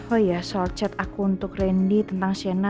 oh iya soal chat aku untuk randy tentang shena